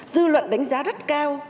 dư luận đánh giá rất cao